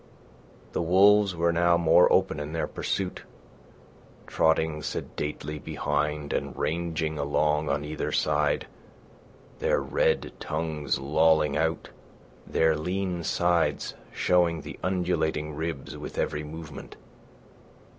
The wolves were now more open in their pursuit, trotting sedately behind and ranging along on either side, their red tongues lolling out, their lean sides showing the undulating ribs with every movement.